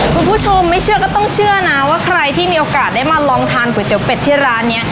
คุณผู้ชมไม่เชื่อก็ต้องเชื่อนะว่าใครที่มีโอกาสได้มาลองทานก๋วยเตี๋เป็ดที่ร้านนี้